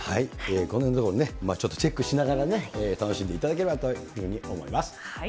このへんのところをチェックしながらね、楽しんでいただければというふうに思います。